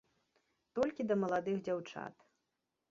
Толькі да маладых дзяўчат.